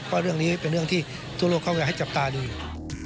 เพราะเรื่องนี้เป็นเรื่องที่ทั่วโลกเขาอยากให้จับตาดูอยู่